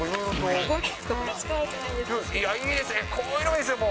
いいですか？